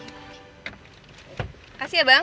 makasih ya bang